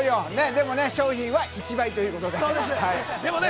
でも商品は１倍ということでね。